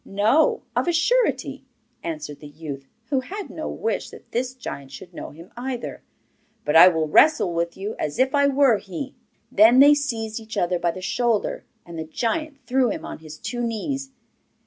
'No, of a surety,' answered the youth, who had no wish that this giant should know him either; 'but I will wrestle with you as if I were he.' Then they seized each other by the shoulder, and the giant threw him on his two knees.